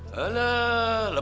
ya udah om